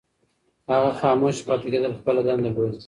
هغه خاموشه پاتې کېدل خپله دنده بولي.